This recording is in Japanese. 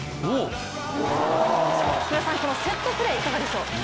このセットプレー、いかがでしょう。